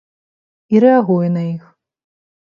І рэагуе на іх.